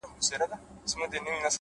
وخت د ژمنو رښتینولي ښکاره کوي؛